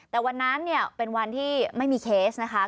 แต่วันนั้นเนี่ยเป็นวันที่ไม่มีเคสนะคะ